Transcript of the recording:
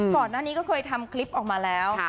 ก่อนหน้านี้ก็เคยทำคลิปออกมาแล้ว